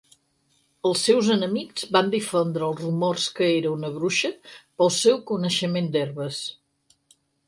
Els seus enemics van difondre els rumors que era una bruixa pel seu coneixement d'herbes.